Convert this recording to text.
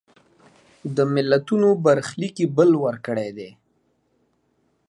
د ملتونو برخلیک یې بل وړ کړی دی.